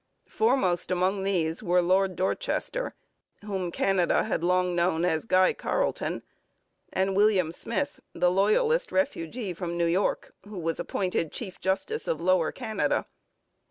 Foremost among these were Lord Dorchester, whom Canada had long known as Guy Carleton, and William Smith, the Loyalist refugee from New York, who was appointed chief justice of Lower Canada.